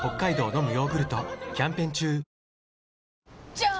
じゃーん！